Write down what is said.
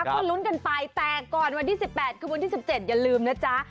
ก็ลุ้นกันไปแต่ก่อนวันที่๑๘คือวันที่๑๗อย่าลืมนะจ๊ะ